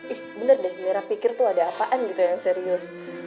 ih bener deh merah pikir tuh ada apaan gitu yang serius